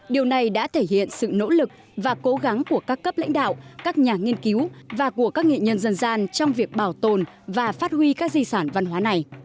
điều này đã thể hiện sự nỗ lực và cố gắng của các cấp lãnh đạo các nhà nghiên cứu và của các nghệ nhân dân gian trong việc bảo tồn và phát huy các di sản văn hóa này